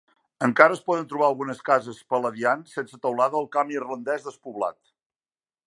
Encara es poden trobar algunes cases "palladian" sense teulada al camp irlandès despoblat.